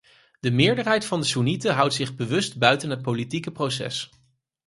De meerderheid van de soennieten houdt zich bewust buiten het politieke proces.